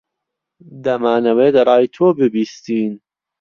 دەمانەوێت ڕای تۆ ببیستین.